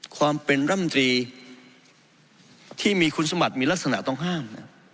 ความเป็นร่ำตรีที่มีคุณสมบัติมีลักษณะต้องห้าม